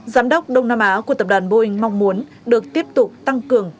giám đốc đông nam á của tập đoàn boeing mong muốn được tiếp tục tăng cường